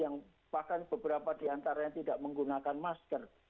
yang bahkan beberapa di antara yang tidak menggunakan masker